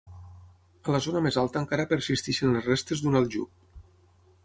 A la zona més alta encara persisteixen les restes d'un aljub.